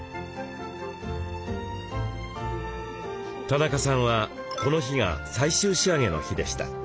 田中さんはこの日が最終仕上げの日でした。